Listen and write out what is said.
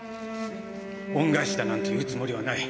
恩返しだなんて言うつもりはない。